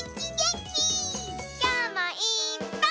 きょうもいっぱい。